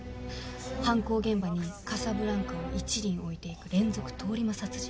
犯行現場にカサブランカを１輪置いていく連続通り魔殺人。